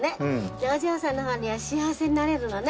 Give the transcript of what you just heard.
でお嬢さんの方には幸せになれるのね。